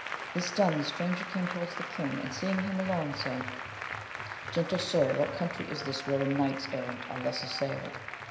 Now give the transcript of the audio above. This done the stranger came towards the king, and seeing him alone, said, Gentle sir, what country is this wherein knights errant are thus assailed